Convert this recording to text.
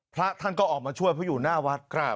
พระท่านก็ออกมาช่วยเพราะอยู่หน้าวัด